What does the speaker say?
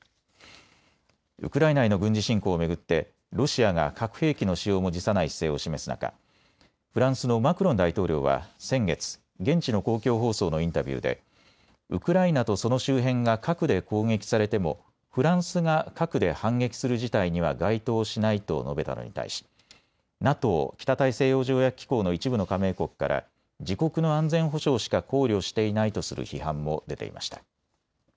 ウクライナへの軍事侵攻を巡ってロシアが核兵器の使用も辞さない姿勢を示す中、フランスのマクロン大統領は先月、現地の公共放送のインタビューでウクライナとその周辺が核で攻撃されてもフランスが核で反撃する事態には該当しないと述べたのに対しＮＡＴＯ・北大西洋条約機構の一部の加盟国から自国の安全保障しか考慮していないとする批判も出ていました。